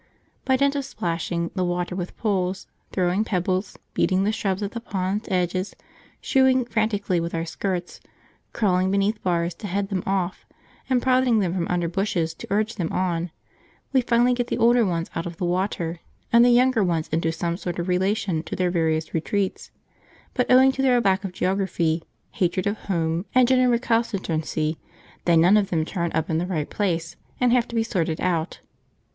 By dint of splashing the water with poles, throwing pebbles, beating the shrubs at the pond's edges, "shooing" frantically with our skirts, crawling beneath bars to head them off, and prodding them from under bushes to urge them on, we finally get the older ones out of the water and the younger ones into some sort of relation to their various retreats; but, owing to their lack of geography, hatred of home, and general recalcitrancy, they none of them turn up in the right place and have to be sorted out.